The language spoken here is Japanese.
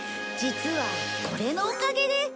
実はこれのおかげで。